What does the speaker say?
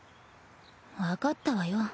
分かったわよ。